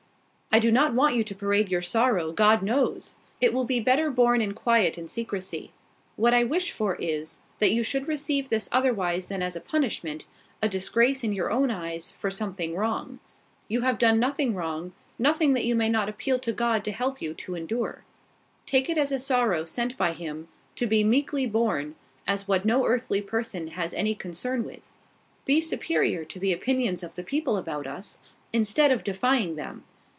"I do not want you to parade your sorrow, God knows! It will be better borne in quiet and secrecy. What I wish for you is, that you should receive this otherwise than as a punishment, a disgrace in your own eyes for something wrong. You have done nothing wrong, nothing that you may not appeal to God to help you to endure. Take it as a sorrow sent by Him, to be meekly borne, as what no earthly person has any concern with. Be superior to the opinions of the people about us, instead of defying them.